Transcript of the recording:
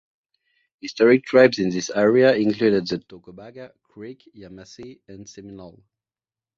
Historic tribes in this area included the Tocobaga, Creek, Yamasee, and Seminole.